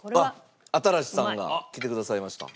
新さんが来てくださいました。